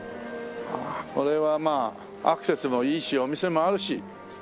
これはまあアクセスもいいしお店もあるし。